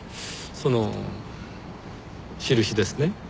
その印ですね？